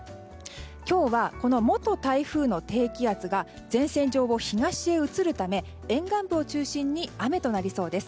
今日は、元台風の低気圧が前線上を東へ移るため沿岸部を中心に雨となりそうです。